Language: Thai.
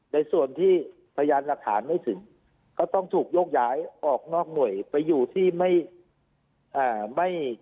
ในส่วนที่พยานหลักฐานไม่ถึงก็ต้องถูกโยกย้ายออกนอกหน่วยไปอยู่ที่ไม่อ่าไม่